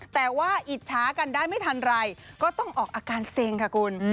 แต่ว่าอิจฉากันได้ไม่ทันไรก็ต้องออกอาการเซ็งค่ะคุณ